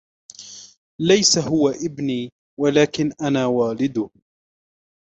ليس " هو إبني " ولكن " أنا والده ".